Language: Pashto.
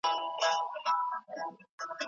تا که هېڅ ونه کړل، مینه دې رسوا کړه